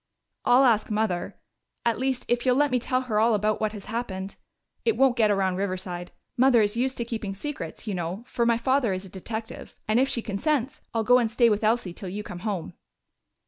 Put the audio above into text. "I'll ask Mother at least, if you'll let me tell her all about what has happened. It won't get around Riverside Mother is used to keeping secrets, you know, for my father is a detective. And if she consents, I'll go and stay with Elsie till you come home."